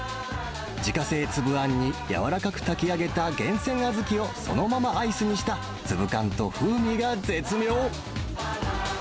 自家製粒あんに柔らかく炊き上げた厳選あずきを、そのままアイスにした、粒感と風味が絶妙。